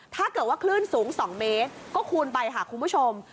ถ้าเกิดว่าคลื่นสูง๒เมตรก็คูณไปค่ะคุณผู้ชม